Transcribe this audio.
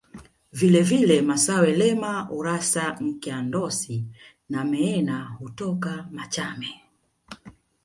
Vile vile Massawe Lema Urassa Nkya Ndosi na Meena hutoka Machame